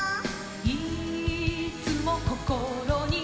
「いーっつもこころに」